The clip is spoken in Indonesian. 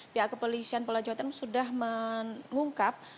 pihak keperluan polda jawa timur sudah mengungkap